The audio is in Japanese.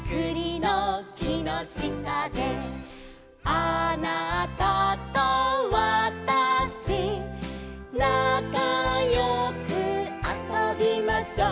「あなたとわたし」「なかよくあそびましょう」